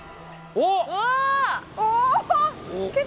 おっ！